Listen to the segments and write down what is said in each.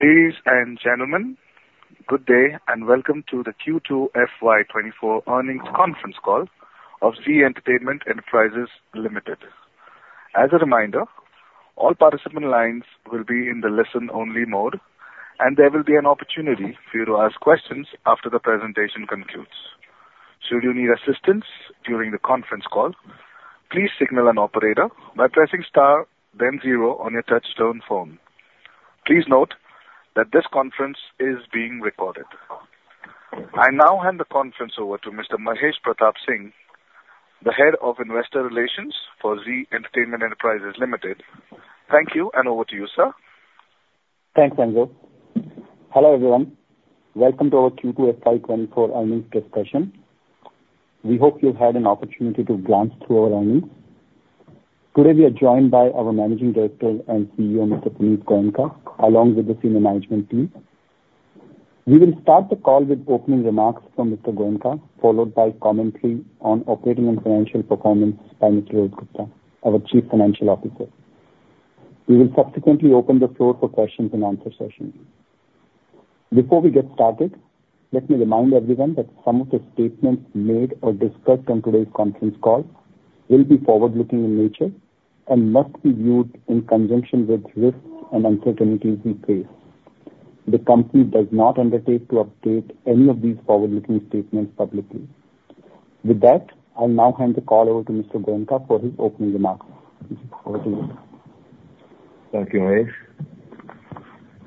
Ladies and gentlemen, good day, and welcome to the Q2 FY24 earnings conference call of Zee Entertainment Enterprises Limited. As a reminder, all participant lines will be in the listen-only mode, and there will be an opportunity for you to ask questions after the presentation concludes. Should you need assistance during the conference call, please signal an operator by pressing star then zero on your touchtone phone. Please note that this conference is being recorded. I now hand the conference over to Mr. Mahesh Pratap Singh, the Head of Investor Relations for Zee Entertainment Enterprises Limited. Thank you, and over to you, sir. Thanks, Anju. Hello, everyone. Welcome to our Q2 FY24 earnings discussion. We hope you've had an opportunity to glance through our earnings. Today, we are joined by our Managing Director and CEO, Mr. Punit Goenka, along with the senior management team. We will start the call with opening remarks from Mr. Goenka, followed by commentary on operating and financial performance by Mr. Rohit Gupta, our Chief Financial Officer. We will subsequently open the floor for questions and answer session. Before we get started, let me remind everyone that some of the statements made or discussed on today's conference call will be forward-looking in nature and must be viewed in conjunction with risks and uncertainties we face. The company does not undertake to update any of these forward-looking statements publicly. With that, I'll now hand the call over to Mr. Goenka for his opening remarks. Over to you, sir. Thank you, Mahesh.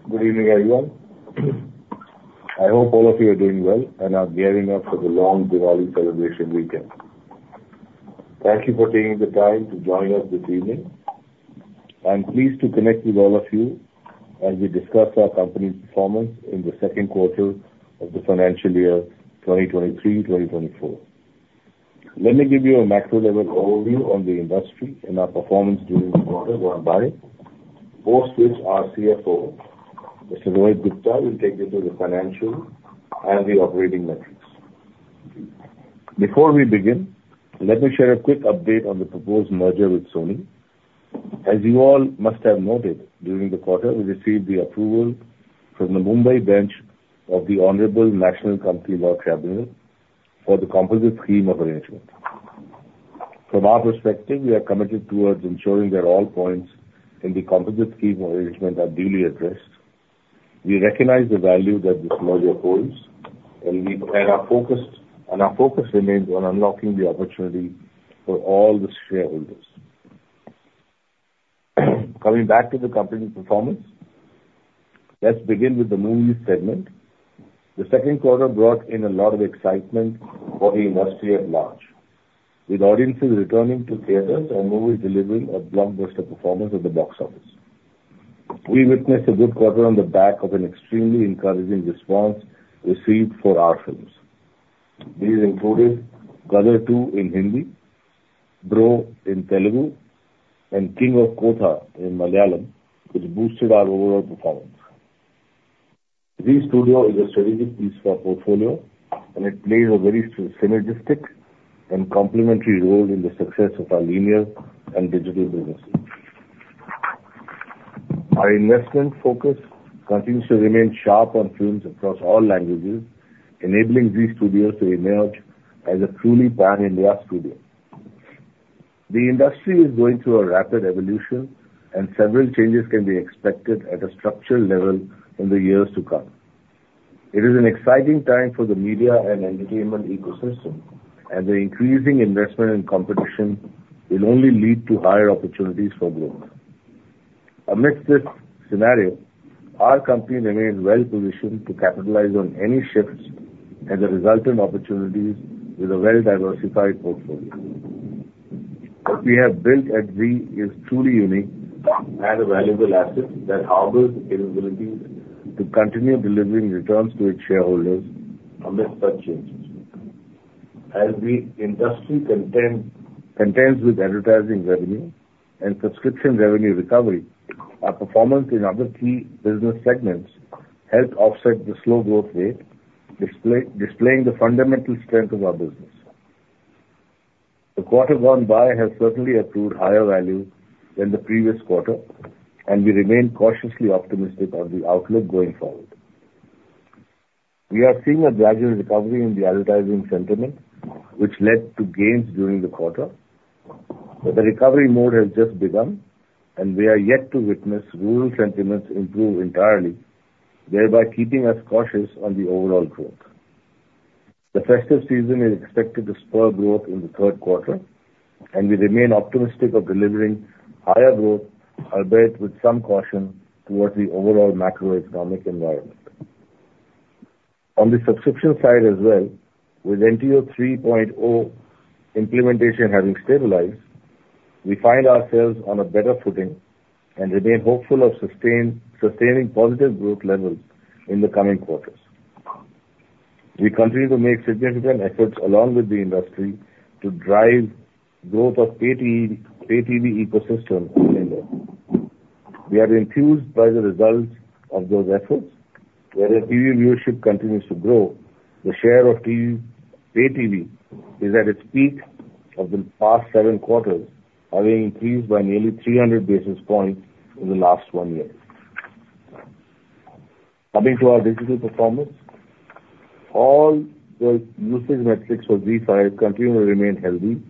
Good evening, everyone. I hope all of you are doing well and are gearing up for the long Diwali celebration weekend. Thank you for taking the time to join us this evening. I'm pleased to connect with all of you as we discuss our company's performance in the second quarter of the financial year 2023/2024. Let me give you a macro-level overview on the industry and our performance during the quarter gone by, post which our CFO, Mr. Rohit Gupta, will take you through the financial and the operating metrics. Before we begin, let me share a quick update on the proposed merger with Sony. As you all must have noted, during the quarter, we received the approval from the Mumbai bench of the Honorable National Company Law Tribunal for the composite scheme of arrangement. From our perspective, we are committed towards ensuring that all points in the composite scheme of arrangement are duly addressed. We recognize the value that this merger holds, and we are focused, and our focus remains on unlocking the opportunity for all the shareholders. Coming back to the company's performance, let's begin with the movie segment. The second quarter brought in a lot of excitement for the industry at large, with audiences returning to theaters and movies delivering a blockbuster performance at the box office. We witnessed a good quarter on the back of an extremely encouraging response received for our films. These included Gadar 2 in Hindi, Bro in Telugu, and King of Kotha in Malayalam, which boosted our overall performance. Zee Studios is a strategic piece of our portfolio, and it plays a very synergistic and complementary role in the success of our linear and digital businesses. Our investment focus continues to remain sharp on films across all languages, enabling Zee Studios to emerge as a truly pan-India studio. The industry is going through a rapid evolution, and several changes can be expected at a structural level in the years to come. It is an exciting time for the media and entertainment ecosystem, and the increasing investment and competition will only lead to higher opportunities for growth. Amidst this scenario, our company remains well positioned to capitalize on any shifts and the resultant opportunities with a well-diversified portfolio. What we have built at Zee is truly unique and a valuable asset that harbors the capabilities to continue delivering returns to its shareholders amidst such changes. As the industry content contends with advertising revenue and subscription revenue recovery, our performance in other key business segments helped offset the slow growth rate, displaying the fundamental strength of our business. The quarter gone by has certainly approved higher value than the previous quarter, and we remain cautiously optimistic of the outlook going forward. We are seeing a gradual recovery in the advertising sentiment, which led to gains during the quarter. But the recovery mode has just begun, and we are yet to witness rural sentiments improve entirely, thereby keeping us cautious on the overall growth. The festive season is expected to spur growth in the third quarter, and we remain optimistic of delivering higher growth, albeit with some caution towards the overall macroeconomic environment. On the subscription side as well, with NTO 3.0 implementation having stabilized, we find ourselves on a better footing and remain hopeful of sustaining positive growth levels in the coming quarters. We continue to make significant efforts along with the industry to drive growth of DTH, DTH ecosystem in India. We are enthused by the results of those efforts. Where the TV viewership continues to grow, the share of TV, pay TV, is at its peak of the past seven quarters, having increased by nearly 300 basis points in the last one year. Coming to our digital performance, all the usage metrics for ZEE5 continue to remain healthy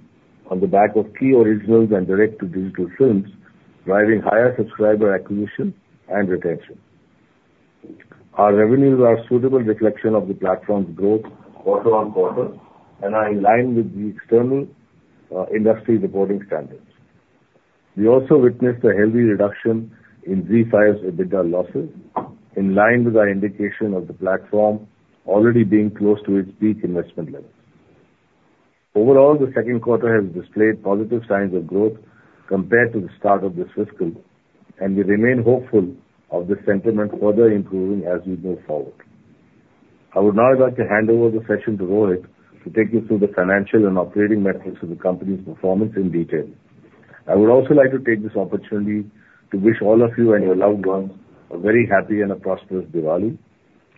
on the back of key originals and direct-to-digital films, driving higher subscriber acquisition and retention. Our revenues are a suitable reflection of the platform's growth quarter on quarter and are in line with the external, industry reporting standards. We also witnessed a healthy reduction in ZEE5's EBITDA losses, in line with our indication of the platform already being close to its peak investment levels. Overall, the second quarter has displayed positive signs of growth compared to the start of this fiscal, and we remain hopeful of this sentiment further improving as we move forward. I would now like to hand over the session to Rohit to take you through the financial and operating metrics of the company's performance in detail. I would also like to take this opportunity to wish all of you and your loved ones a very happy and a prosperous Diwali.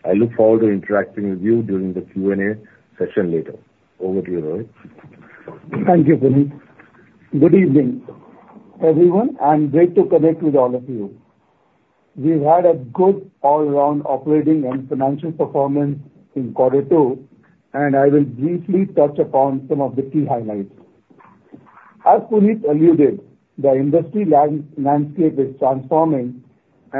I look forward to interacting with you during the Q&A session later. Over to you, Rohit. Thank you, Punit. Good evening, everyone, and great to connect with all of you. We've had a good all-around operating and financial performance in quarter two, and I will briefly touch upon some of the key highlights. As Punit alluded, the industry landscape is transforming,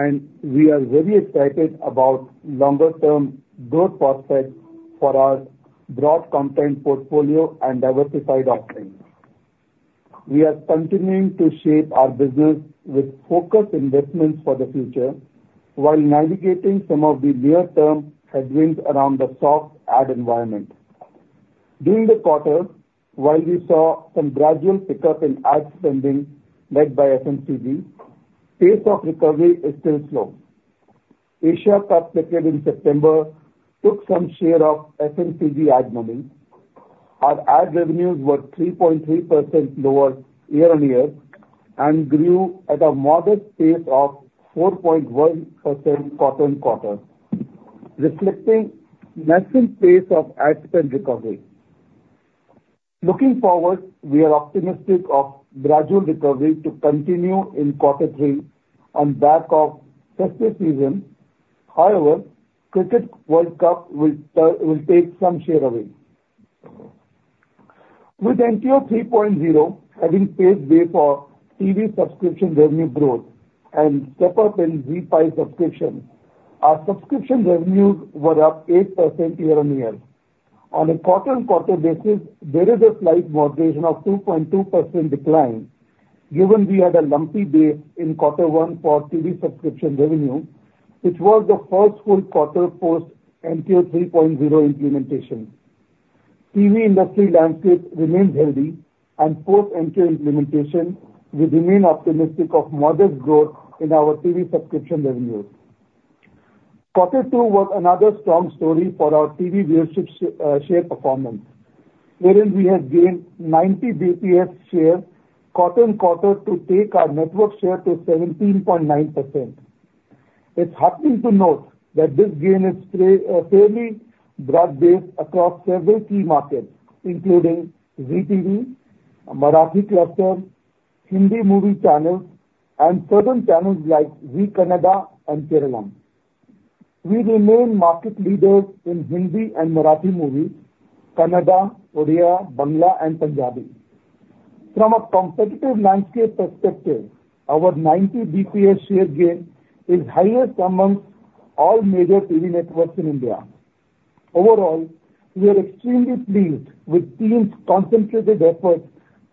and we are very excited about longer term growth prospects for our broad content portfolio and diversified offerings. We are continuing to shape our business with focused investments for the future, while navigating some of the near-term headwinds around the soft ad environment. During the quarter, while we saw some gradual pickup in ad spending led by FMCG, pace of recovery is still slow. Asia Cup Cricket in September took some share of FMCG ad money. Our ad revenues were 3.3% lower year-on-year and grew at a modest pace of 4.1% quarter-on-quarter, reflecting nascent pace of ad spend recovery. Looking forward, we are optimistic of gradual recovery to continue in quarter three on back of festive season. However, Cricket World Cup will take some share away. With NTO 3.0 having paved way for TV subscription revenue growth and step up in ZEE5 subscription, our subscription revenues were up 8% year-on-year. On a quarter-on-quarter basis, there is a slight moderation of 2.2% decline, given we had a lumpy base in quarter one for TV subscription revenue, which was the first full quarter post NTO 3.0 implementation. TV industry landscape remains healthy, and post NTO implementation, we remain optimistic of modest growth in our TV subscription revenues. Quarter two was another strong story for our TV viewership share performance, wherein we have gained 90 BPS share quarter-over-quarter to take our network share to 17.9%. It's heartening to note that this gain is fairly broad-based across several key markets, including Zee TV, Marathi cluster, Hindi movie channels, and southern channels like Zee Kannada and Zee Keralam. We remain market leaders in Hindi and Marathi movies, Kannada, Odia, Bangla and Punjabi. From a competitive landscape perspective, our 90 BPS share gain is highest amongst all major TV networks in India. Overall, we are extremely pleased with team's concentrated effort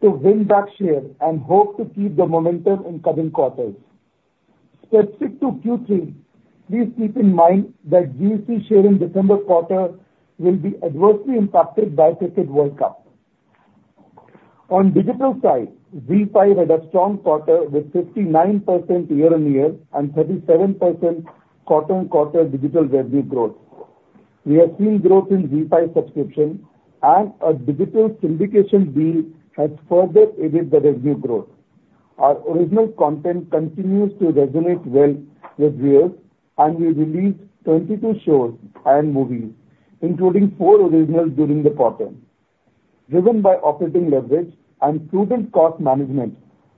to win back share and hope to keep the momentum in coming quarters. Specific to Q3, please keep in mind that share in December quarter will be adversely impacted by Cricket World Cup. On digital side, ZEE5 had a strong quarter, with 59% year-on-year, and 37% quarter-on-quarter digital revenue growth. We have seen growth in ZEE5 subscription, and a digital syndication deal has further aided the revenue growth. Our original content continues to resonate well with viewers, and we released 22 shows and movies, including four originals during the quarter. Driven by operating leverage and prudent cost management,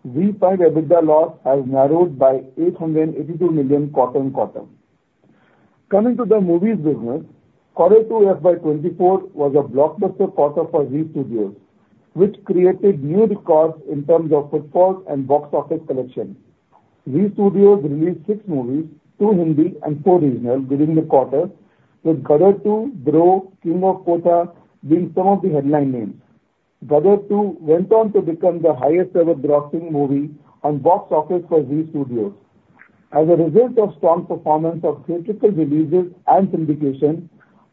ZEE5 EBITDA loss has narrowed by 882 million quarter-on-quarter. Coming to the movies business, quarter 2 FY 2024 was a blockbuster quarter for Zee Studios, which created new records in terms of footfall and box office collection. Zee Studios released six movies, two Hindi and four regional, during the quarter, with Gadar 2, Bro, King of Kotha, being some of the headline names. Gadar 2 went on to become the highest ever grossing movie on box office for Zee Studios. As a result of strong performance of theatrical releases and syndication,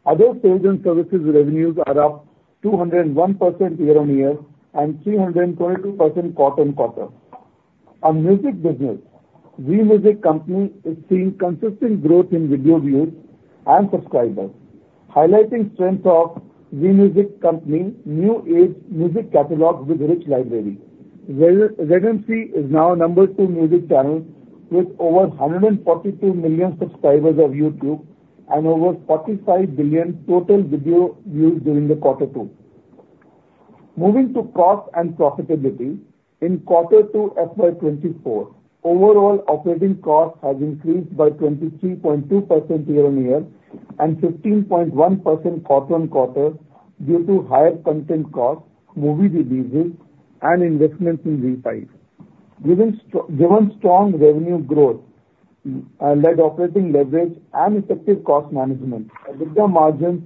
other sales and services revenues are up 201% year-on-year and 322% quarter-on-quarter. On music business, Zee Music Company is seeing consistent growth in video views and subscribers... highlighting strength of Zee Music Company, new age music catalog with rich library. is now number two music channel with over 142 million subscribers of YouTube and over 45 billion total video views during the quarter two. Moving to cost and profitability, in quarter 2 FY 2024, overall operating costs has increased by 23.2% year-on-year and 15.1% quarter-on-quarter due to higher content costs, movie releases and investments in ZEE5. Given strong revenue growth and led operating leverage and effective cost management, EBITDA margins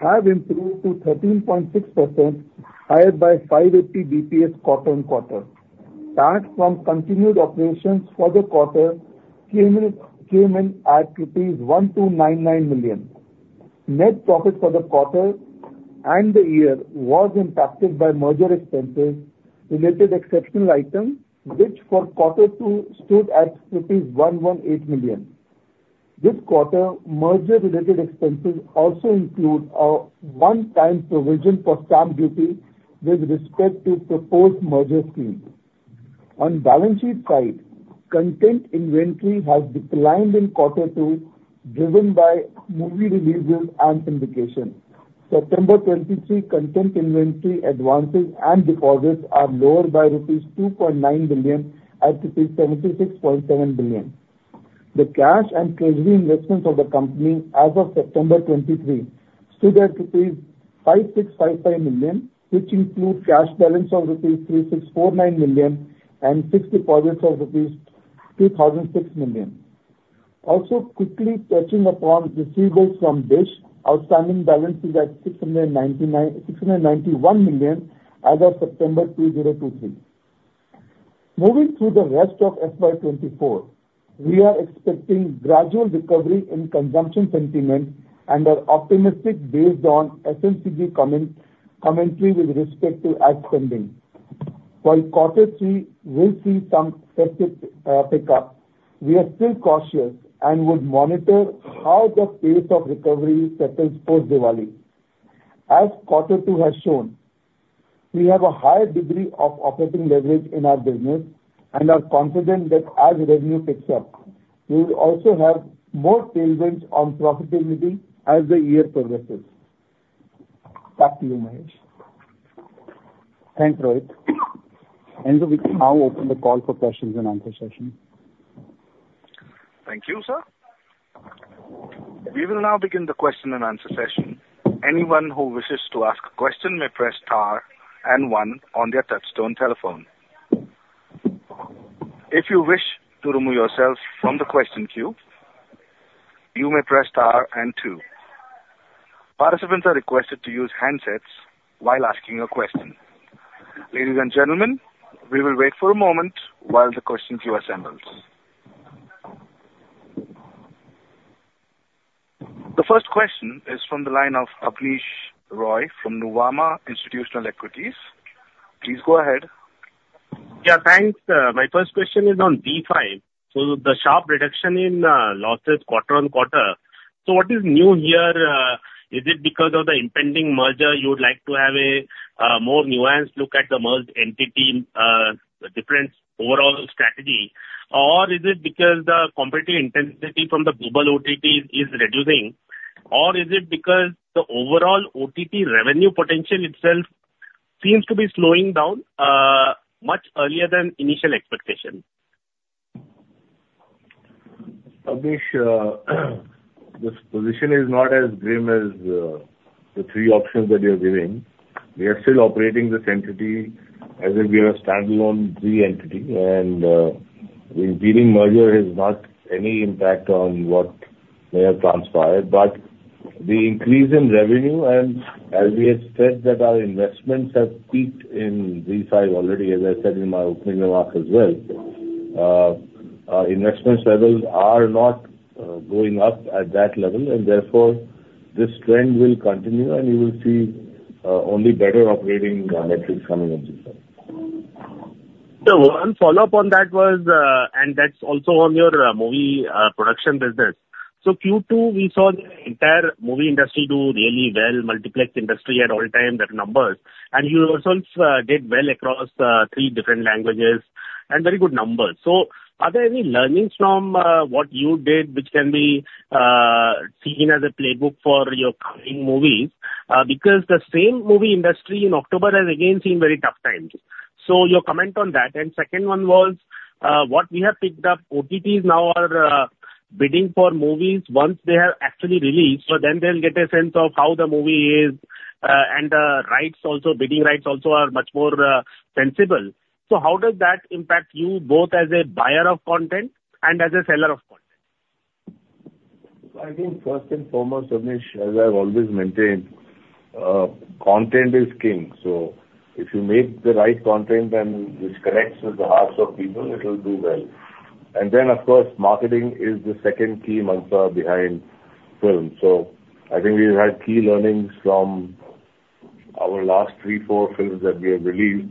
have improved to 13.6%, higher by 580 basis points quarter-on-quarter. Tax from continued operations for the quarter came in at rupees 1,299 million. Net profit for the quarter and the year was impacted by merger expenses related to exceptional items, which for quarter 2 stood at rupees 118 million. This quarter, merger-related expenses also include a one-time provision for stamp duty with respect to proposed merger scheme. On balance sheet side, content inventory has declined in quarter two, driven by movie releases and syndication. September 2023 content inventory advances and deposits are lower by rupees 2.9 billion at rupees 76.7 billion. The cash and treasury investments of the company as of September 2023 stood at 5,655 million, which include cash balance of rupees 3,649 million and fixed deposits of rupees 2,006 million. Also, quickly touching upon receivables from Dish, outstanding balance is at 699-691 million as of September 2023. Moving through the rest of FY 2024, we are expecting gradual recovery in consumption sentiment and are optimistic based on FMCG comment, commentary with respect to ad spending. While quarter three will see some festive pickup, we are still cautious and would monitor how the pace of recovery settles post Diwali. As quarter two has shown, we have a high degree of operating leverage in our business and are confident that as revenue picks up, we will also have more tailwinds on profitability as the year progresses. Back to you, Mahesh. Thanks, Rohit. We can now open the call for questions and answer session. Thank you, sir. We will now begin the question and answer session. Anyone who wishes to ask a question may press star and one on their touchtone telephone. If you wish to remove yourself from the question queue, you may press star and two. Participants are requested to use handsets while asking a question. Ladies and gentlemen, we will wait for a moment while the question queue assembles. The first question is from the line of Abneesh Roy from Nuvama Institutional Equities. Please go ahead. Yeah, thanks. My first question is on ZEE5. So the sharp reduction in losses quarter on quarter. So what is new here? Is it because of the impending merger, you would like to have a more nuanced look at the merged entity, different overall strategy? Or is it because the competitive intensity from the global OTTs is reducing? Or is it because the overall OTT revenue potential itself seems to be slowing down, much earlier than initial expectation? Abneesh, this position is not as grim as the three options that you're giving. We are still operating this entity as if we are a standalone three entity, and the pending merger has not any impact on what may have transpired. But the increase in revenue and as we have said, that our investments have peaked in ZEE5 already, as I said in my opening remarks as well. Our investment levels are not going up at that level, and therefore, this trend will continue and you will see only better operating metrics coming in ZEE5. So one follow-up on that was, and that's also on your movie production business. So Q2, we saw the entire movie industry do really well, multiplex industry at all time, their numbers, and you yourself did well across three different languages and very good numbers. So are there any learnings from what you did, which can be seen as a playbook for your coming movies? Because the same movie industry in October has again seen very tough times. So your comment on that. And second one was, what we have picked up, OTTs now are bidding for movies once they are actually released, so then they'll get a sense of how the movie is, and the rights also, bidding rights also are much more sensible. How does that impact you, both as a buyer of content and as a seller of content? I think first and foremost, Abneesh, as I've always maintained, content is king. So if you make the right content and which connects with the hearts of people, it will do well. And then, of course, marketing is the second key mantra behind film. So I think we've had key learnings from- ...Our last three, four films that we have released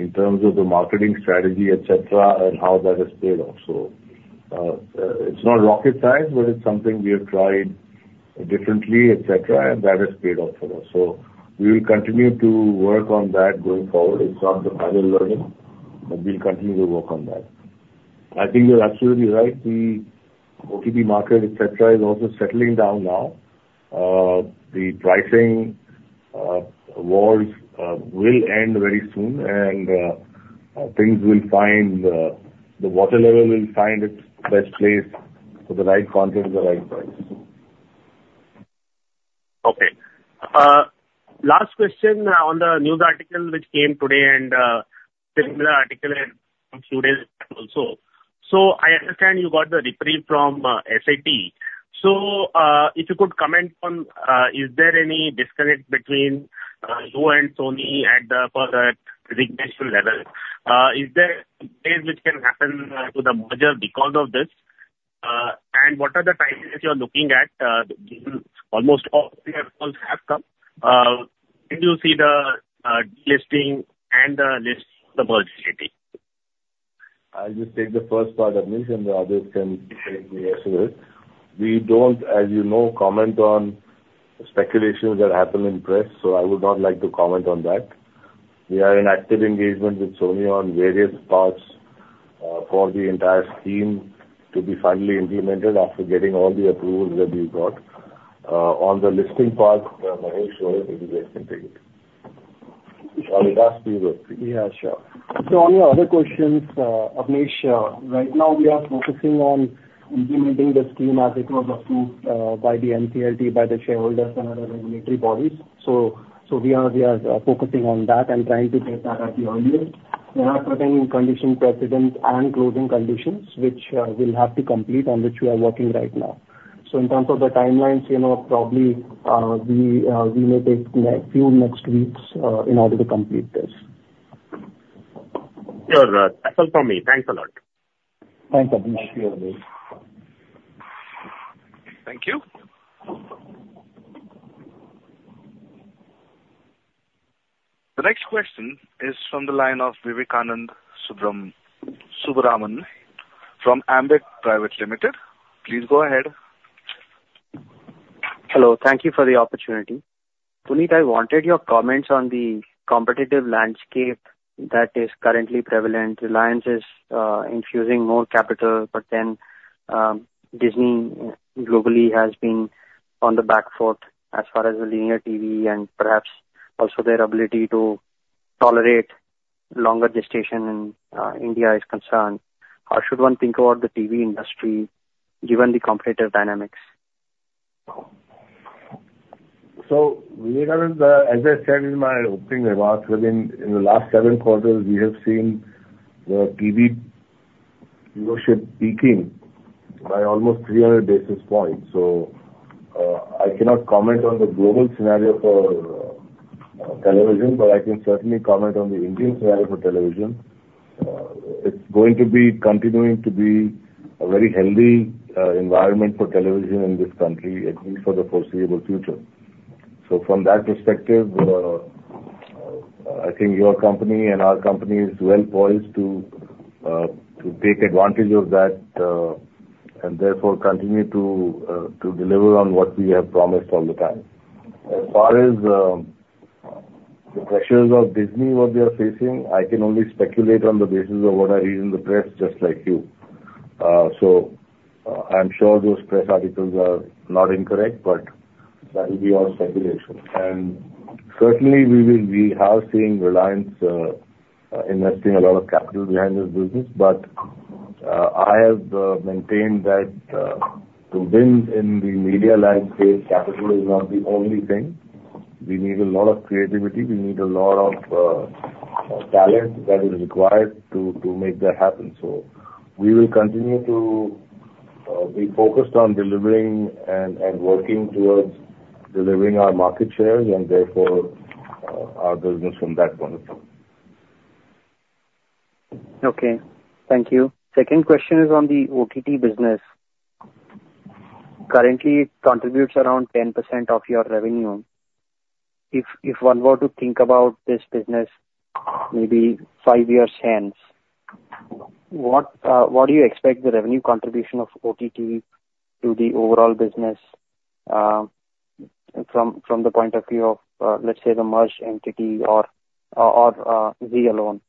in terms of the marketing strategy, et cetera, and how that has paid off. So, it's not rocket science, but it's something we have tried differently, et cetera, and that has paid off for us. So we will continue to work on that going forward. It's not the final learning, but we'll continue to work on that. I think you're absolutely right. The OTT market, et cetera, is also settling down now. The pricing wars will end very soon, and things will find, the water level will find its best place for the right content at the right price. Okay. Last question on the news article, which came today and similar article in a few days also. So I understand you got the reprieve from SAT. So, if you could comment on, is there any disconnect between you and Sony at the, for the regulatory level? Is there a case which can happen to the merger because of this? And what are the timelines you are looking at, given almost all have come, when do you see the delisting and the list, the merge completed? I'll just take the first part, Abneesh, and the others can take the rest of it. We don't, as you know, comment on speculations that happen in press, so I would not like to comment on that. We are in active engagement with Sony on various parts for the entire scheme to be finally implemented after getting all the approvals that we've got. On the listing part, Mahesh will take. I will ask you to- Yeah, sure. So on your other questions, Abneesh, right now, we are focusing on implementing the scheme as it was approved by the NCLT, by the shareholders and other regulatory bodies. So we are focusing on that and trying to get that at the earliest. We are putting condition precedents and closing conditions, which we'll have to complete and which we are working right now. So in terms of the timelines, you know, probably we may take a few next weeks in order to complete this. Sure. That's all for me. Thanks a lot. Thanks, Abneesh. Thank you. Thank you. The next question is from the line of Vivekanand Subbaraman from Ambit Private Limited. Please go ahead. Hello. Thank you for the opportunity. Punit, I wanted your comments on the competitive landscape that is currently prevalent. Reliance is infusing more capital, but then, Disney globally has been on the back foot as far as the linear TV and perhaps also their ability to tolerate longer gestation in India is concerned. How should one think about the TV industry given the competitive dynamics? So Vivekana, as I said in my opening remarks, in the last seven quarters, we have seen the TV viewership peaking by almost 300 basis points. So, I cannot comment on the global scenario for television, but I can certainly comment on the Indian scenario for television. It's going to be continuing to be a very healthy environment for television in this country, at least for the foreseeable future. So from that perspective, I think your company and our company is well poised to take advantage of that, and therefore, continue to deliver on what we have promised all the time. As far as the pressures of Disney, what they are facing, I can only speculate on the basis of what I read in the press, just like you. So I'm sure those press articles are not incorrect, but that will be our speculation. Certainly, we will. We have seen reliance investing a lot of capital behind this business, but I have maintained that to win in the media landscape, capital is not the only thing. We need a lot of creativity, we need a lot of talent that is required to make that happen. So we will continue to be focused on delivering and working towards delivering our market shares and therefore our business from that point of view. Okay, thank you. Second question is on the OTT business. Currently, it contributes around 10% of your revenue. If one were to think about this business maybe five years hence, what do you expect the revenue contribution of OTT to the overall business, from the point of view of, let's say, the merged entity or Zee alone?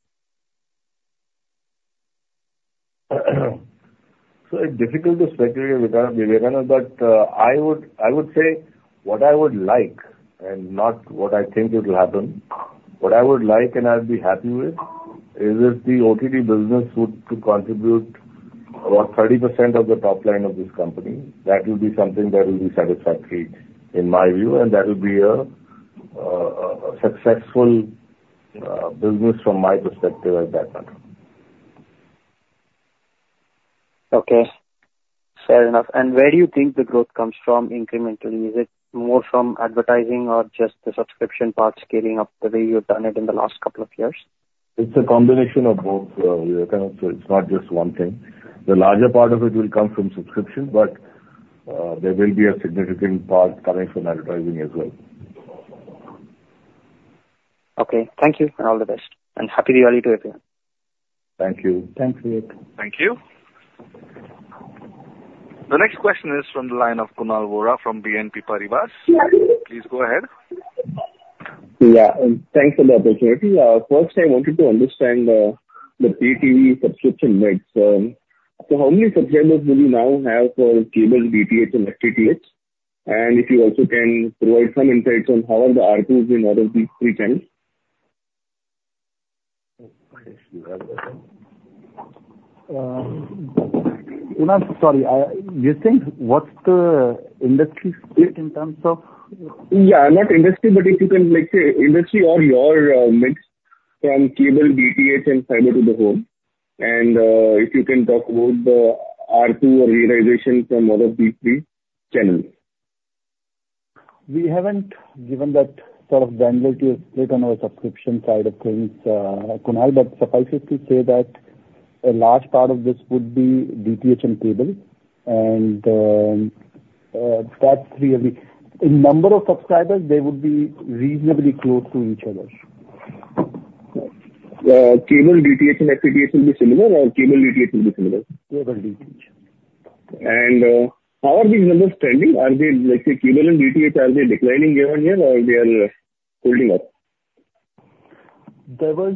It's difficult to speculate with that, Vivekanand, but, I would, I would say what I would like, and not what I think it will happen. What I would like, and I'd be happy with, is if the OTT business would to contribute about 30% of the top line of this company. That will be something that will be satisfactory in my view, and that will be a, a successful, business from my perspective at that point. Okay, fair enough. Where do you think the growth comes from incrementally? Is it more from advertising or just the subscription part scaling up the way you've done it in the last couple of years? It's a combination of both, Vivekanand. So it's not just one thing. The larger part of it will come from subscription, but-... there will be a significant part coming from advertising as well. Okay. Thank you, and all the best, and happy early to everyone. Thank you. Thanks, Vivek. Thank you. The next question is from the line of Kunal Vora from BNP Paribas. Please go ahead. Yeah, and thanks for the opportunity. First I wanted to understand the DTH subscription mix. So how many subscribers do you now have for cable DTH and STTH? And if you also can provide some insights on how are the ARPUs in order these three channels? Kunal, sorry, you think what's the industry split in terms of- Yeah, not industry, but if you can, like, say industry or your mix from cable, DTH, and fiber to the home. And if you can talk about the R2 or realization from all of these three channels. We haven't given that sort of granularity split on our subscription side of things, Kunal, but suffice it to say that a large part of this would be DTH and cable, and that's really... In number of subscribers, they would be reasonably close to each other. Cable DTH and STTH will be similar, or cable DTH will be similar? Cable DTH. How are these numbers trending? Are they, let's say, cable and DTH, are they declining year on year, or they are holding up? There was,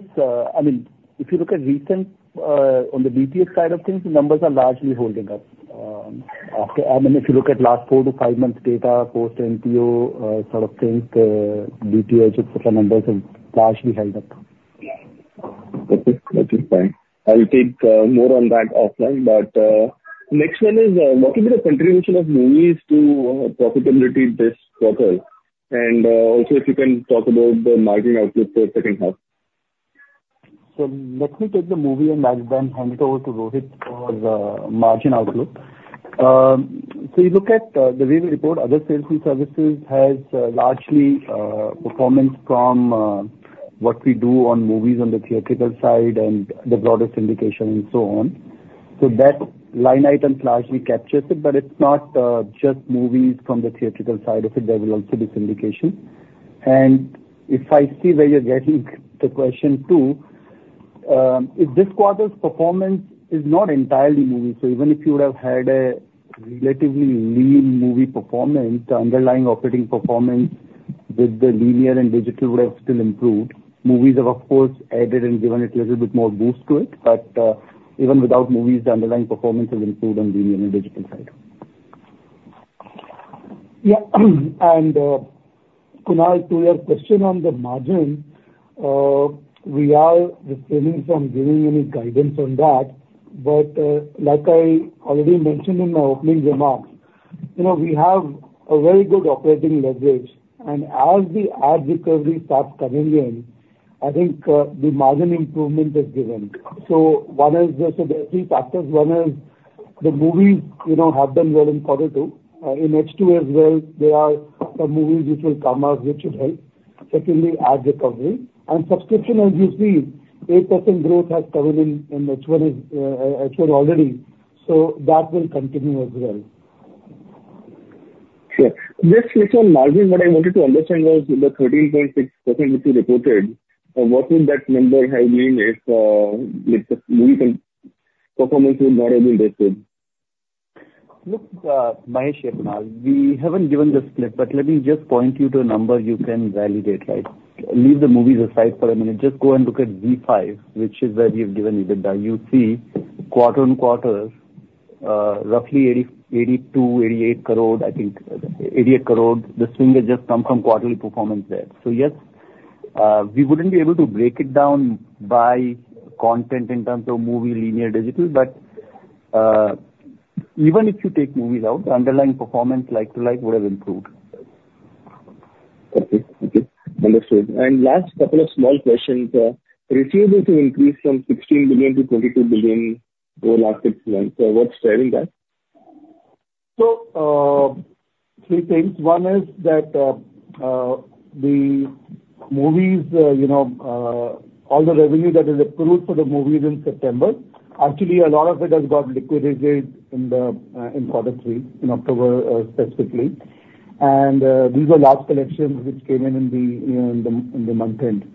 I mean, if you look at recent on the DTH side of things, the numbers are largely holding up. Okay. I mean, if you look at last 4-5 months data, post NTO, sort of think, DTH, et cetera, numbers have largely held up. Okay. Okay, fine. I will take more on that offline, but next one is what will be the contribution of movies to profitability this quarter? And also, if you can talk about the margin outlook for second half. So let me take the movie and then hand it over to Rohit for the margin outlook. So you look at the way we report, other sales and services has largely performance from what we do on movies on the theatrical side and the broader syndication and so on. So that line item largely captures it, but it's not just movies from the theatrical side of it. There will also be syndication. And if I see where you're getting the question to, this quarter's performance is not entirely movies. So even if you would have had a relatively lean movie performance, the underlying operating performance with the linear and digital would have still improved. Movies have, of course, added and given it a little bit more boost to it, but even without movies, the underlying performance has improved on linear and digital side. Yeah. And, Kunal, to your question on the margin, we are refraining from giving any guidance on that. But, like I already mentioned in my opening remarks, you know, we have a very good operating leverage, and as the ad recovery starts coming in, I think, the margin improvement is given. So one is, there are three factors. One is the movies, you know, have done well in quarter two. In H2 as well, there are some movies which will come out, which should help. Secondly, ad recovery. And subscription, as you see, 8% growth has come in in H1, H1 already, so that will continue as well. Sure. Just a question on margin, what I wanted to understand was the 13.6% which you reported, and what would that number have been if the movie performance was not been there too? Look, Mahesh here. We haven't given the split, but let me just point you to a number you can validate, right? Leave the movies aside for a minute. Just go and look at ZEE5, which is where we have given EBITDA. You see, quarter-on-quarter, roughly 80 crore, 82 crore, 88 crore, I think 88 crore. The swing has just come from quarterly performance there. So yes, we wouldn't be able to break it down by content in terms of movie, linear, digital, but even if you take movies out, the underlying performance, like-to-like, would have improved. Okay. Okay. Understood. Last couple of small questions. Receivables increased from 16 billion to 22 billion over the last six months. What's driving that? So, three things. One is that, the movies, you know, all the revenue that is approved for the movies in September, actually, a lot of it has got liquidated in the, in quarter three, in October, specifically. And, these are large collections which came in, in the, you know, in the, in the month end.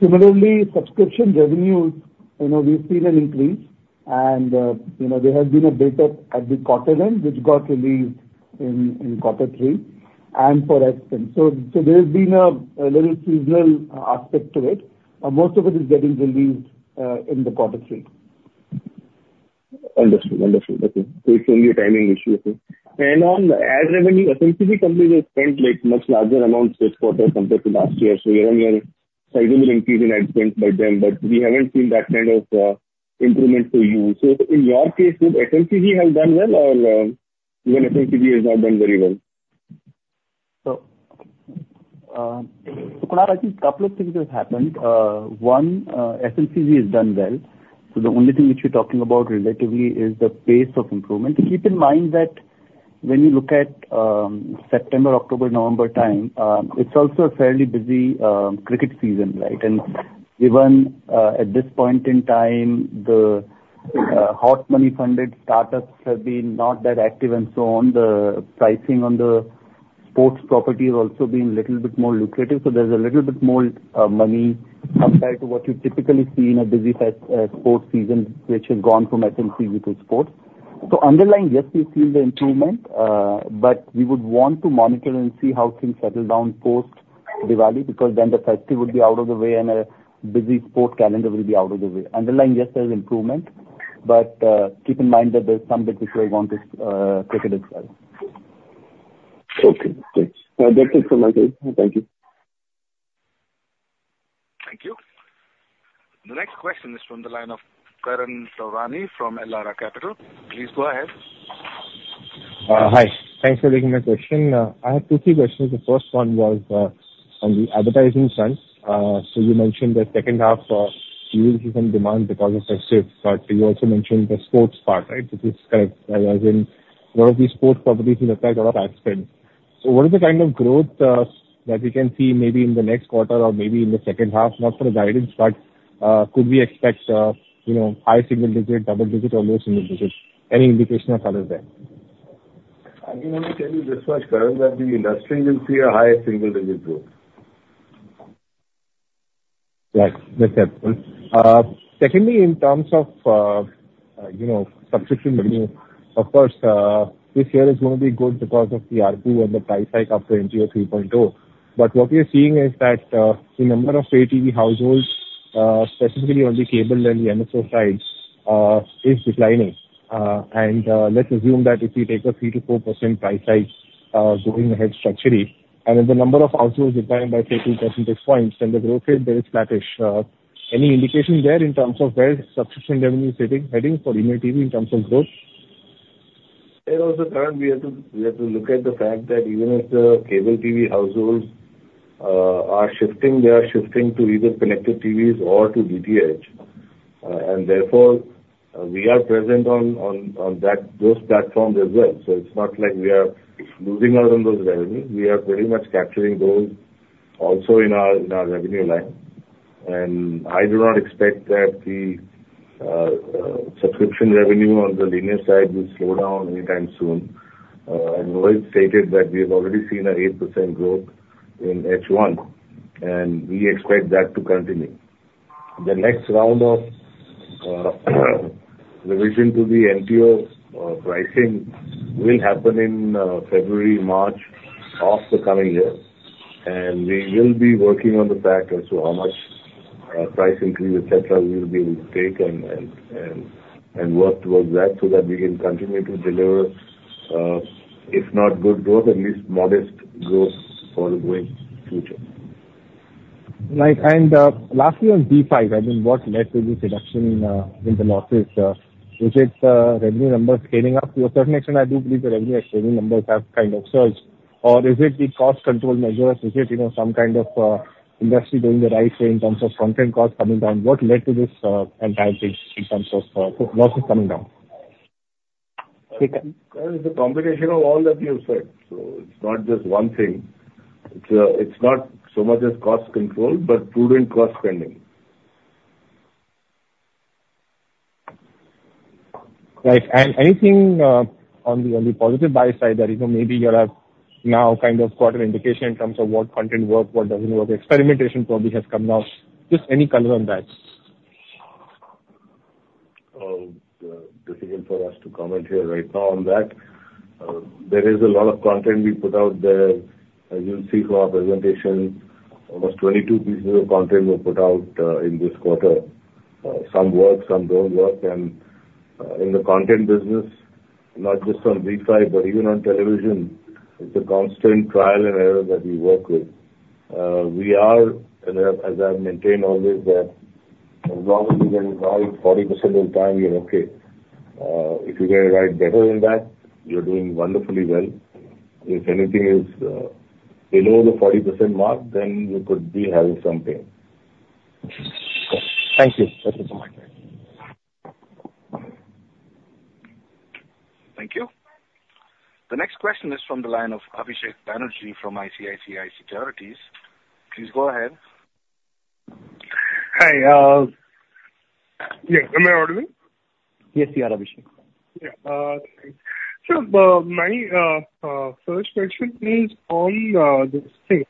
Similarly, subscription revenues, you know, we've seen an increase, and, you know, there has been a build-up at the quarter end, which got released in, in quarter three and for. So, there's been a little seasonal aspect to it. Most of it is getting released, in the quarter three. Understood. Understood. Okay. So it's only a timing issue, okay. And on ad revenue, FMCG companies have spent, like, much larger amounts this quarter compared to last year, so there has been a sizable increase in ad spend by them, but we haven't seen that kind of improvement for you. So in your case, would FMCG have done well or even FMCG has not done very well? So, Kunal, I think a couple of things have happened. One, FMCG has done well, so the only thing which you're talking about relatively is the pace of improvement. Keep in mind that when you look at September, October, November time, it's also a fairly busy cricket season, right? And even at this point in time, the hot money-funded startups have been not that active and so on. The pricing on the sports property have also been little bit more lucrative, so there's a little bit more money compared to what you typically see in a busy festive sports season, which has gone from FMCG to sports. So underlying, yes, we've seen the improvement, but we would want to monitor and see how things settle down post Diwali, because then the festive would be out of the way and a busy sports calendar will be out of the way. Underlying, yes, there is improvement, but, keep in mind that there's some bit which we want to, take it aside. Okay, thanks. That's it for my day. Thank you. Thank you. The next question is from the line of Karan Taurani from Elara Capital. Please go ahead. Hi. Thanks for taking my question. I have two, three questions. The first one was on the advertising front. So you mentioned the second half, you will see some demand because of festive, but you also mentioned the sports part, right? Which is kind of as in a lot of these sports properties, it looks like a lot of ad spend. So what is the kind of growth that we can see maybe in the next quarter or maybe in the second half? Not for the guidance, but could we expect, you know, high single digit, double digit, or low single digit? Any indication or color there? I can only tell you this much, Karan, that the industry will see a high single digit growth. Right. That's helpful. Secondly, in terms of, you know, subscription revenue, of course, this year is going to be good because of the R2 and the price hike after NTO 3.0. But what we are seeing is that the number of pay TV households, specifically on the cable and the MSO sides, is declining. And let's assume that if we take a 3%-4% price hike, going ahead structurally, and if the number of households declined by two percentage points, then the growth rate there is flattish. Any indication there in terms of where subscription revenue is heading for the TV in terms of growth? There also, Karan, we have to, we have to look at the fact that even if the cable TV households are shifting, they are shifting to either connected TVs or to DTH. And therefore, we are present on, on, on that, those platforms as well. So it's not like we are losing out on those revenues. We are very much capturing those also in our, in our revenue line. And I do not expect that the subscription revenue on the linear side will slow down anytime soon. And Rohit stated that we have already seen an 8% growth in H1, and we expect that to continue. The next round of revision to the NTO pricing will happen in February, March of the coming year. We will be working on the fact as to how much price increase, et cetera, we will be able to take and work towards that so that we can continue to deliver, if not good growth, at least modest growth for the going future. Right. And, lastly, on ZEE5, I mean, what led to this reduction in, in the losses? Is it, revenue numbers scaling up? To a certain extent, I do believe the revenue and scaling numbers have kind of surged. Or is it the cost control measures? Is it, you know, some kind of, industry doing the right thing in terms of content costs coming down? What led to this, advantage in terms of, losses coming down? It's a combination of all that you have said, so it's not just one thing. It's not so much as cost control, but prudent cost spending. Right. And anything on the positive buy side that, you know, maybe you have now kind of got an indication in terms of what content works, what doesn't work? Experimentation probably has come out. Just any color on that. Difficult for us to comment here right now on that. There is a lot of content we put out there. As you'll see from our presentation, almost 22 pieces of content were put out in this quarter. Some work, some don't work. And in the content business, not just on ZEE5, but even on television, it's a constant trial and error that we work with. And as I've maintained always, that as long as you get it right 40% of the time, you're okay. If you get it right better than that, you're doing wonderfully well. If anything is below the 40% mark, then you could be having some pain. Thank you. Thank you so much. Thank you. The next question is from the line of Abhishek Banerjee from ICICI Securities. Please go ahead. Hi, yeah, am I audible? Yes, you are, Abhishek. Yeah. Thanks. So, my first question is on the thing,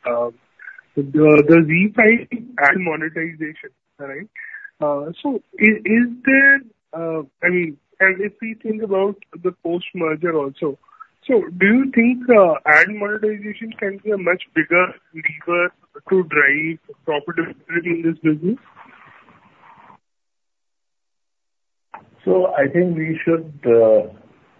the ZEE5 ad monetization, right? So is there, I mean, and if we think about the post-merger also, so do you think ad monetization can be a much bigger lever to drive profitability in this business? So I think we should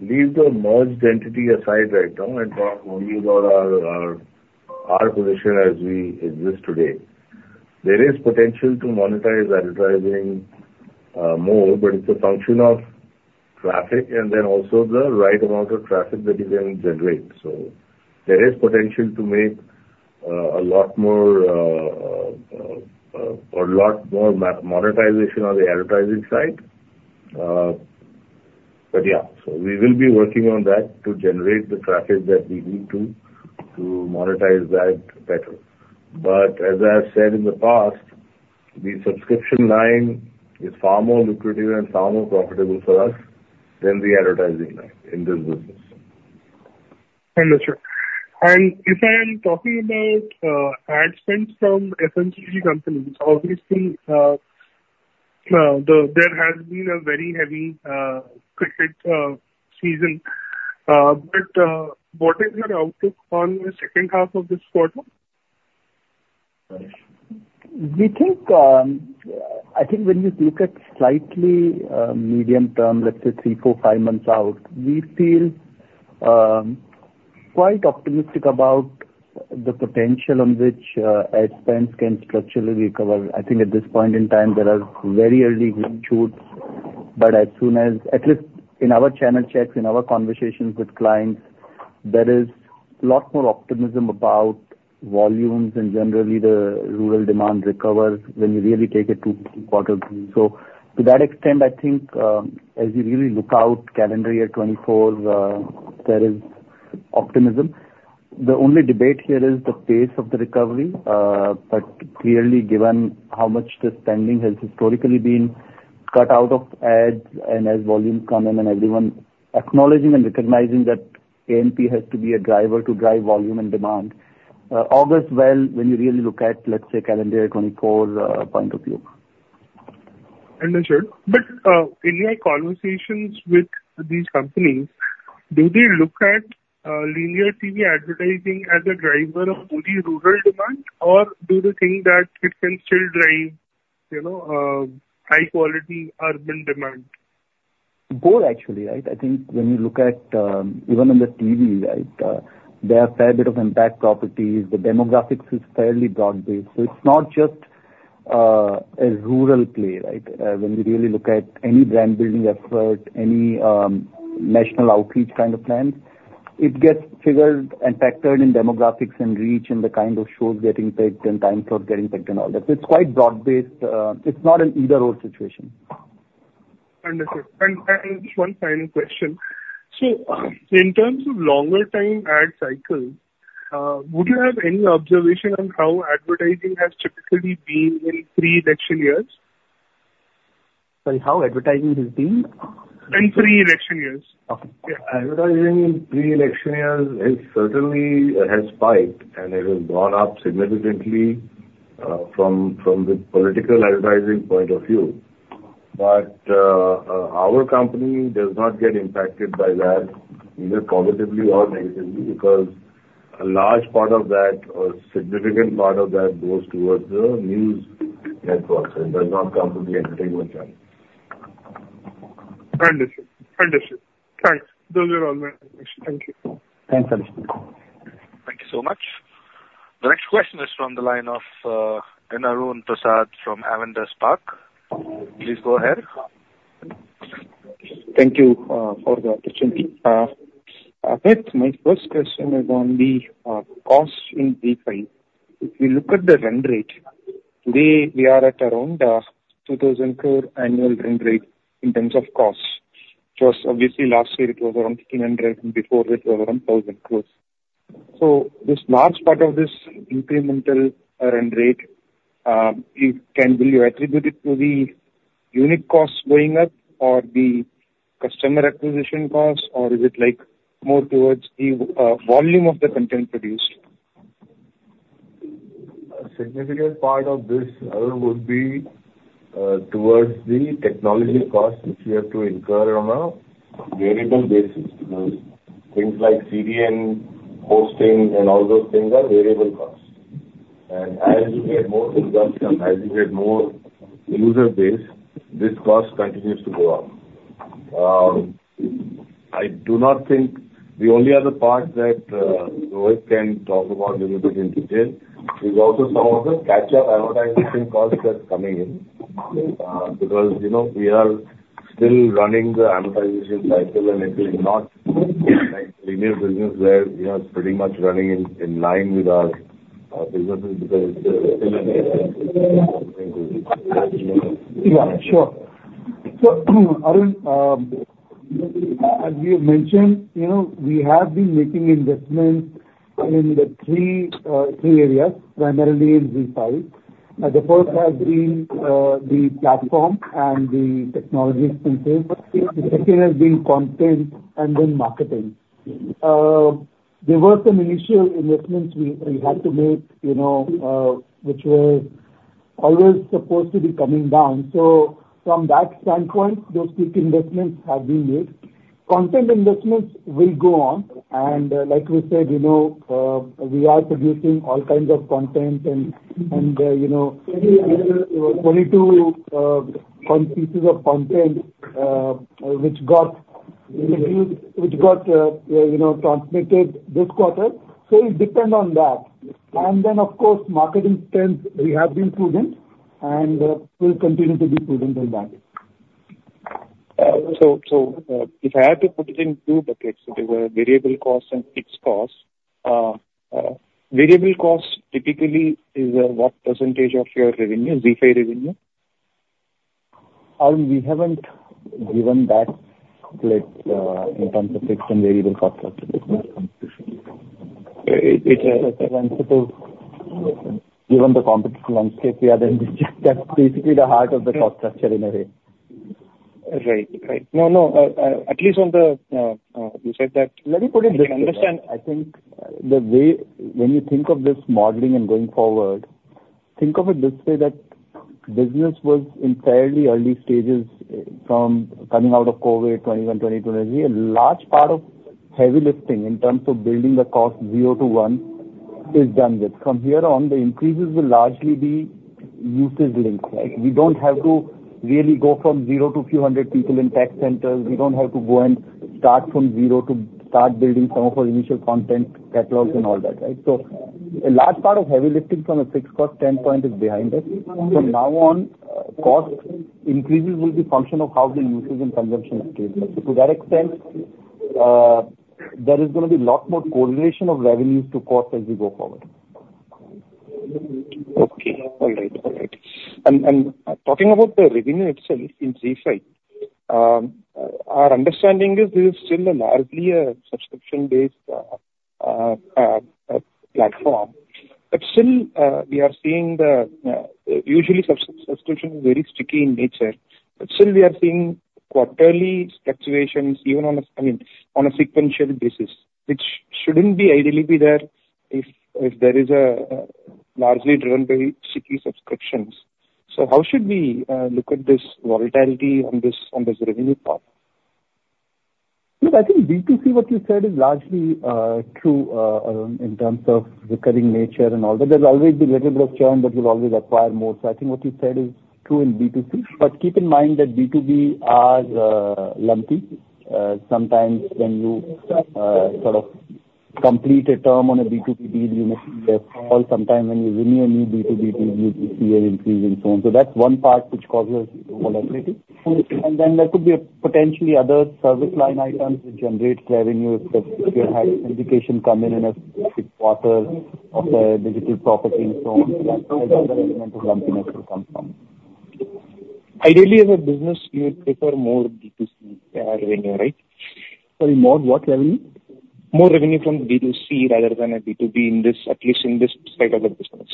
leave the merged entity aside right now and talk only about our position as we exist today. There is potential to monetize advertising more, but it's a function of traffic and then also the right amount of traffic that you can generate. So there is potential to make a lot more monetization on the advertising side. But yeah, so we will be working on that to generate the traffic that we need to monetize that better. But as I have said in the past, the subscription line is far more lucrative and far more profitable for us than the advertising line in this business. Understood. And if I am talking about ad spends from FMCG companies, obviously, there has been a very heavy cricket season. But what is your outlook on the second half of this quarter? We think, I think when you look at slightly medium term, let's say 3, 4, 5 months out, we feel quite optimistic about the potential on which ad spends can structurally recover. I think at this point in time, there are very early green shoots, but as soon as... At least in our channel checks, in our conversations with clients, there is lot more optimism about volumes and generally the rural demand recover when you really take it 2, 3 quarters. So to that extent, I think, as you really look out calendar year 2024, there is optimism. The only debate here is the pace of the recovery, but clearly, given how much the spending has historically been cut out of ads and as volumes come in, and everyone acknowledging and recognizing that A&P has to be a driver to drive volume and demand, bodes well when you really look at, let's say, calendar year 2024, point of view. Understood. But, in your conversations with these companies, do they look at linear TV advertising as a driver of only rural demand, or do they think that it can still drive, you know, high-quality urban demand? Both, actually, right? I think when you look at, even on the TV, right, there are a fair bit of impact properties. The demographics is fairly broad-based, so it's not just, a rural play, right? When you really look at any brand building effort, any, national outreach kind of plan, it gets figured and factored in demographics and reach, and the kind of shows getting picked and time slots getting picked and all that. So it's quite broad-based. It's not an either/or situation. Understood. Just one final question: So, in terms of longer-term ad cycle, would you have any observation on how advertising has typically been in pre-election years? Sorry, how advertising has been? In pre-election years. Okay. Advertising in pre-election years, it certainly has spiked, and it has gone up significantly, from the political advertising point of view. But, our company does not get impacted by that, either positively or negatively, because a large part of that, or a significant part of that, goes towards the news networks. It does not come to the entertainment channel. Understood. Understood. Thanks. Those are all my questions. Thank you. Thanks, Abhish. Thank you so much. The next question is from the line of Arun Prasath from Avendus Spark. Please go ahead. Thank you, for the opportunity. Amit, my first question is on the, cost in ZEE5. If we look at the run rate, today we are at around 2,000 crore annual run rate in terms of costs. So obviously last year it was around 1,500 crore, and before it was around 1,000 crore. So this large part of this incremental run rate, it can be attributed to the unit costs going up or the customer acquisition costs, or is it, like, more towards the, volume of the content produced? A significant part of this, would be, towards the technology costs, which we have to incur on a variable basis. Because things like CDN, hosting and all those things are variable costs. And as you get more subscription, as you get more user base, this cost continues to go up. I do not think... The only other part that, Rohit can talk about a little bit in detail, is also some of the catch-up amortization costs that's coming in. Because, you know, we are still running the amortization cycle, and it is not like linear business where we are pretty much running in line with our, businesses because it's still in the Yeah, sure. So, Arun, as we have mentioned, you know, we have been making investments in the three areas, primarily in Zee5. The first has been the platform and the technology incentive. The second has been content and then marketing. There were some initial investments we had to make, you know, which were always supposed to be coming down. So from that standpoint, those quick investments have been made. Content investments will go on, and, like we said, you know, we are producing all kinds of content and, you know, 22 pieces of content, which got reviewed, which got, you know, transmitted this quarter. So it depend on that. And then, of course, marketing spends, we have been prudent and will continue to be prudent on that. So, if I had to put it in two buckets, it is variable costs and fixed costs. Variable costs typically is what percentage of your revenue, ZEE5 revenue?... Arun, we haven't given that split in terms of fixed and variable cost structure. Given the competitive landscape we are in, that's basically the heart of the cost structure in a way. Right. Right. No, no, at least on the, you said that- Let me put it this way. I understand. I think the way, when you think of this modeling and going forward, think of it this way, that business was entirely early stages from coming out of COVID, 2021, 2022. A large part of heavy lifting in terms of building the cost zero to one is done with. From here on, the increases will largely be usage linked, right? We don't have to really go from zero to a few hundred people in tech centers. We don't have to go and start from zero to start building some of our initial content catalogs and all that, right? So a large part of heavy lifting from a fixed cost standpoint is behind us. From now on, cost increases will be function of how the usage and consumption scales. So to that extent, there is gonna be a lot more correlation of revenues to cost as we go forward. Okay. All right. All right. And talking about the revenue itself in ZEE5, our understanding is this is still a largely subscription-based platform, but still, we are seeing usually subscriptions are very sticky in nature, but still we are seeing quarterly fluctuations even on a, I mean, on a sequential basis, which shouldn't ideally be there if there is largely driven by sticky subscriptions. So how should we look at this volatility on this revenue part? Look, I think B2C, what you said is largely true in terms of recurring nature and all that. There's always been little bit of churn, but you'll always acquire more. So I think what you said is true in B2C. But keep in mind that B2B are lumpy. Sometimes when you sort of complete a term on a B2B, you may see a fall. Sometimes when you renew a new B2B, you see an increase and so on. So that's one part which causes the volatility. And then there could be potentially other service line items which generates revenues, if you had indication come in in a quarter of the digital properties so on, that element of lumpiness will come from. Ideally, as a business, you would prefer more B2C revenue, right? Sorry, more what revenue? More revenue from B2C rather than a B2B in this, at least in this side of the business.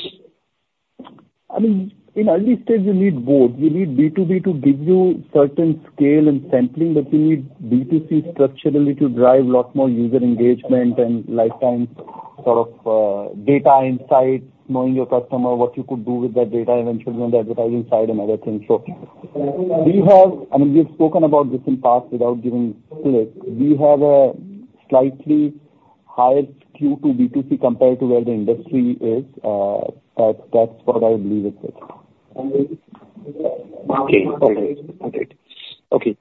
I mean, in early stage, you need both. You need B2B to give you certain scale and sampling, but you need B2C structurally to drive lots more user engagement and lifetime sort of, data insights, knowing your customer, what you could do with that data eventually on the advertising side and other things. So we have... I mean, we've spoken about this in the past without giving split. We have a slightly higher skew to B2C compared to where the industry is, but that's what I believe it is. Okay. All right. All right. Okay,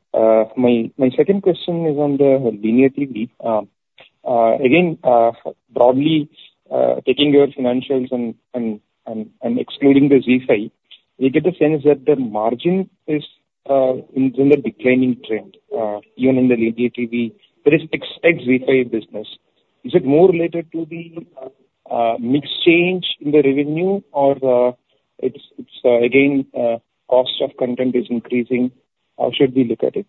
my second question is on the linear TV. Again, broadly, taking your financials and excluding the ZEE5, we get the sense that the margin is in a declining trend, even in the linear TV, that is, ex-ZEE5 business. Is it more related to the mix change in the revenue or it's again cost of content is increasing? How should we look at it?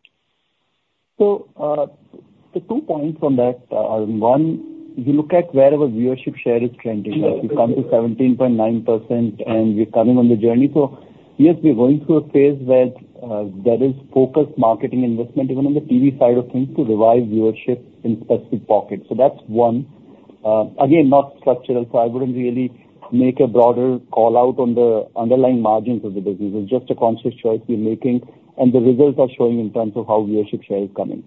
So, two points on that. One, we look at where our viewership share is trending. We've come to 17.9%, and we're coming on the journey. So yes, we're going through a phase where there is focused marketing investment, even on the TV side of things, to revive viewership in specific pockets. So that's one. Again, not structural, so I wouldn't really make a broader call out on the underlying margins of the business. It's just a conscious choice we're making, and the results are showing in terms of how viewership share is coming.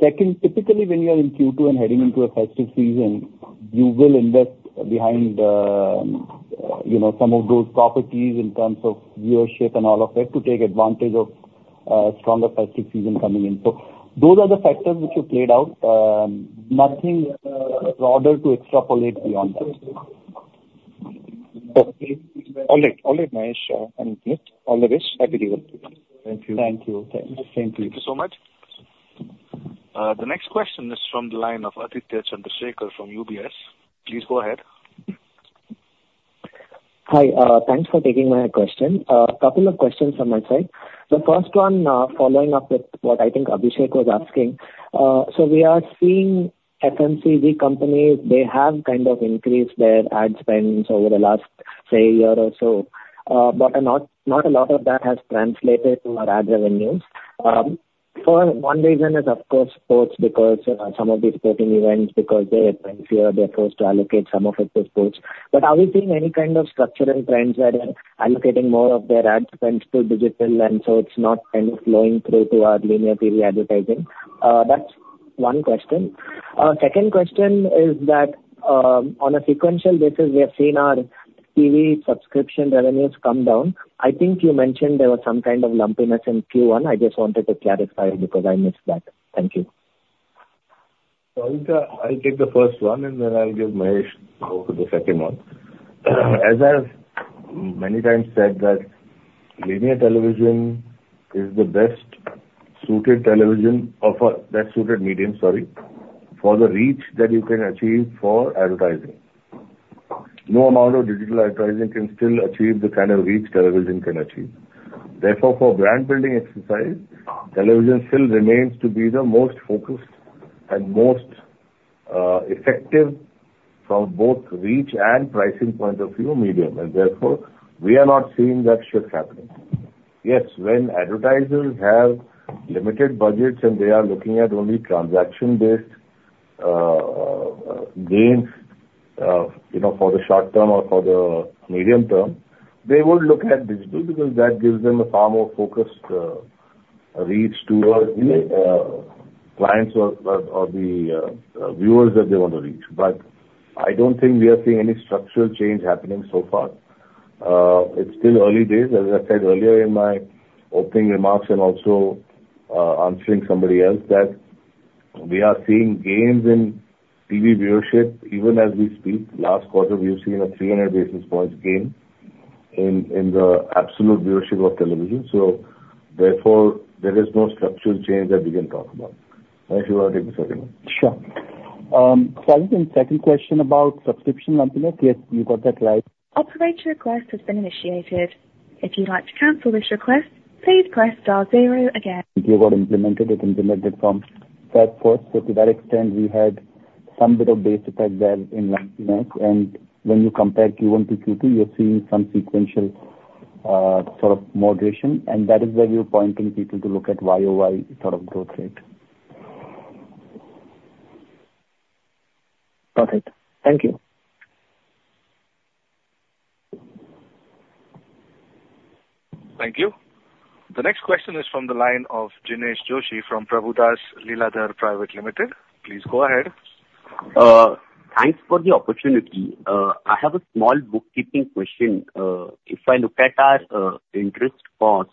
Second, typically, when you are in Q2 and heading into a festive season, you will invest behind, you know, some of those properties in terms of viewership and all of that, to take advantage of stronger festive season coming in. Those are the factors which you played out. Nothing broader to extrapolate beyond that. Okay. All right. All right, Mahesh, and Amit, all the best. Happy delivery. Thank you. Thank you. Thank you. Thank you so much. The next question is from the line of Aditya Chandrasekar from UBS. Please go ahead. Hi, thanks for taking my question. A couple of questions on my side. The first one, following up with what I think Abhishek was asking. So we are seeing FMCG companies, they have kind of increased their ad spends over the last, say, a year or so, but not a lot of that has translated to our ad revenues. For one reason is, of course, sports, because some of these sporting events, because they are fancier, they're forced to allocate some of it to sports. But are we seeing any kind of structural trends where they're allocating more of their ad spends to digital, and so it's not kind of flowing through to our linear TV advertising? That's one question. Second question is that, on a sequential basis, we have seen our TV subscription revenues come down. I think you mentioned there was some kind of lumpiness in Q1. I just wanted to clarify because I missed that. Thank you. So I'll take, I'll take the first one, and then I'll give Mahesh over to the second one. As I have many times said that linear television is the best-suited television or for best-suited medium, sorry, for the reach that you can achieve for advertising. ... No amount of digital advertising can still achieve the kind of reach television can achieve. Therefore, for brand building exercise, television still remains to be the most focused and most effective from both reach and pricing point of view, medium, and therefore we are not seeing that shift happening. Yes, when advertisers have limited budgets and they are looking at only transaction-based gains, you know, for the short term or for the medium term, they would look at digital, because that gives them a far more focused reach towards the clients or the viewers that they want to reach. But I don't think we are seeing any structural change happening so far. It's still early days. As I said earlier in my opening remarks, and also, answering somebody else, that we are seeing gains in TV viewership even as we speak. Last quarter, we have seen a 300 basis points gain in the absolute viewership of television, so therefore there is no structural change that we can talk about. Mahesh, you want to take the second one? Sure. So the second question about subscription month, yes, you got that right. Operator request has been initiated. If you'd like to cancel this request, please press star zero again. You got implemented, it implemented from that first, so to that extent, we had some bit of base effect there in length, and when you compare Q1 to Q2, you're seeing some sequential, sort of moderation, and that is where we are pointing people to look at YOY sort of growth rate. Perfect. Thank you. Thank you. The next question is from the line of Jinesh Joshi from Prabhudas Lilladher Private Limited. Please go ahead. Thanks for the opportunity. I have a small bookkeeping question. If I look at our interest cost,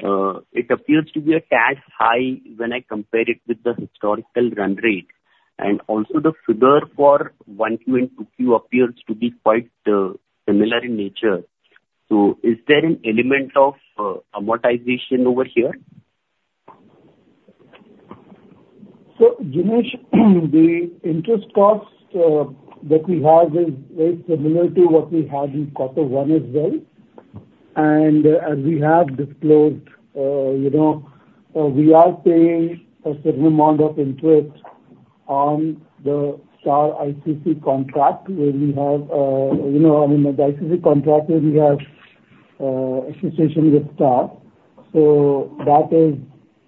it appears to be a tad high when I compare it with the historical run rate, and also the figure for 1Q and 2Q appears to be quite similar in nature. So is there an element of amortization over here? So Jinesh, the interest costs that we have is very similar to what we had in quarter one as well. And, as we have disclosed, you know, we are paying a certain amount of interest on the Star ICC contract, where we have, you know, I mean, the ICC contract, where we have association with Star, so that is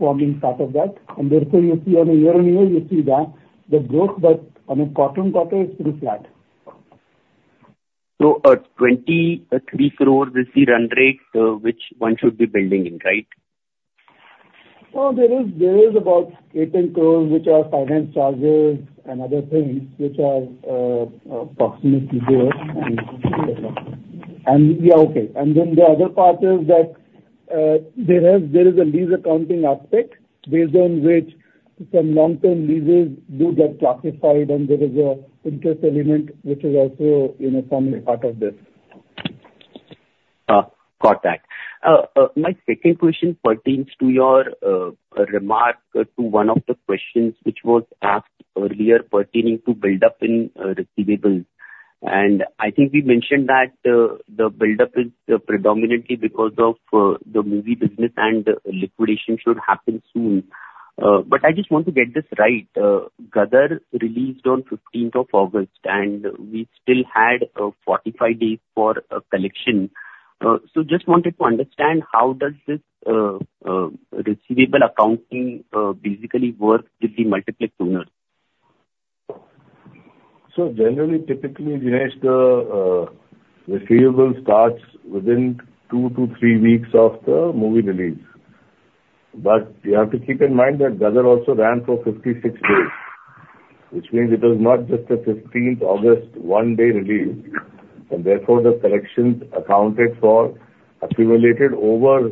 forming part of that. And therefore, you see on a year-over-year, you see that the growth that, I mean, quarter-over-quarter is pretty flat. 23 crore is the run rate, which one should be building in, right? Well, there is, there is about 8 crore- 10 crore, which are finance charges and other things which are, approximately there. And yeah, okay. And then the other part is that, there is, there is a lease accounting aspect based on which some long-term leases do get classified, and there is an interest element which is also, you know, forming part of this. Got that. My second question pertains to your remark to one of the questions which was asked earlier pertaining to build-up in receivables. And I think we mentioned that the build-up is predominantly because of the movie business and liquidation should happen soon. But I just want to get this right. Gadar released on fifteenth of August, and we still had 45 days for a collection. So just wanted to understand, how does this receivable accounting basically work with the multiplex owners? So generally, typically, Jinesh, the receivable starts within 2-3 weeks of the movie release. But you have to keep in mind that Gadar also ran for 56 days, which means it was not just a 15th August, one-day release, and therefore, the collections accounted for accumulated over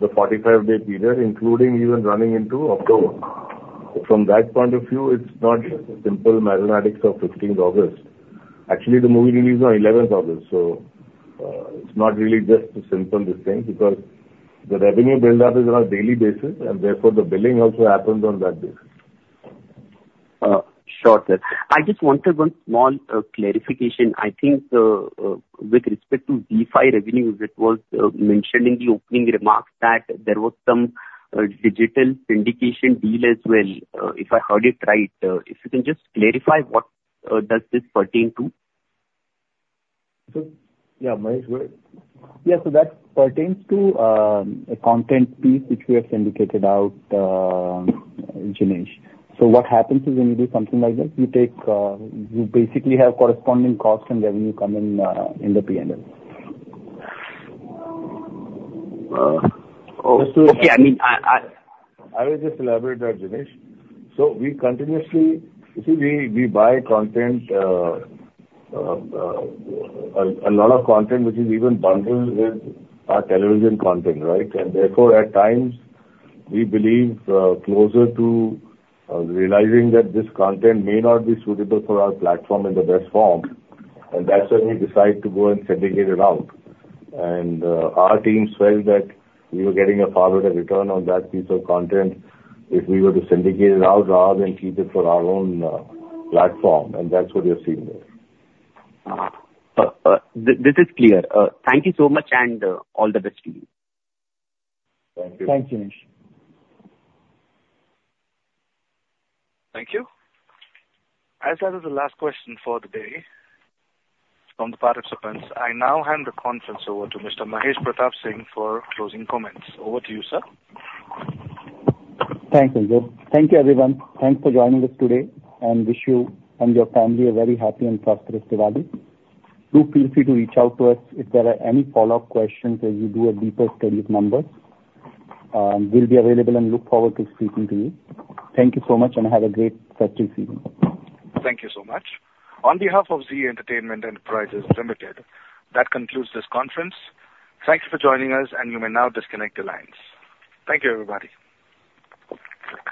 the 45-day period, including even running into October. From that point of view, it's not simple mathematics of 15th August. Actually, the movie released on 11th August, so, it's not really just a simple this thing, because the revenue build-up is on a daily basis, and therefore the billing also happens on that basis. Sure, sir. I just wanted one small clarification. I think, with respect to ZEE5 revenue, it was mentioned in the opening remarks that there was some digital syndication deal as well, if I heard it right. If you can just clarify, what does this pertain to? So, yeah, Mahesh, go ahead. Yeah, so that pertains to a content piece which we have syndicated out, Jinesh. So what happens is when you do something like this, you basically have corresponding cost and revenue coming in the PNL. Okay. I mean, I— I will just elaborate that, Jinesh. So we continuously... You see, we buy content, a lot of content, which is even bundled with our television content, right? And therefore, at times, we believe, closer to realizing that this content may not be suitable for our platform in the best form, and that's when we decide to go and syndicate it out. And, our teams felt that we were getting a farther return on that piece of content if we were to syndicate it out rather than keep it for our own platform, and that's what you're seeing there. This is clear. Thank you so much, and all the best to you. Thank you. Thanks, Jinesh. Thank you. As that is the last question for the day on the part of participants, I now hand the conference over to Mr. Mahesh Pratap Singh for closing comments. Over to you, sir. Thanks, Anju. Thank you, everyone. Thanks for joining us today and wish you and your family a very happy and prosperous Diwali. Do feel free to reach out to us if there are any follow-up questions as you do a deeper study of numbers. We'll be available and look forward to speaking to you. Thank you so much, and have a great festival season. Thank you so much. On behalf of Zee Entertainment Enterprises Limited, that concludes this conference. Thank you for joining us, and you may now disconnect your lines. Thank you, everybody!